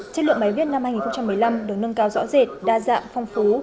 chất lượng bài viết năm hai nghìn một mươi năm được nâng cao rõ rệt đa dạng phong phú